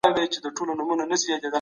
نړۍ هره ورځ نوي پرمختګونه کوي.